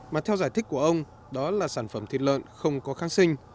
mà theo giải thích của ông đó là sản phẩm thịt lợn không có kháng sinh